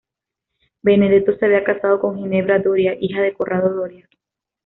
Benedetto se había casado con Ginebra Doria, hija de Corrado Doria.